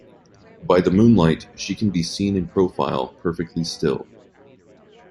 By the moonlight, she can be seen in profile, perfectly still.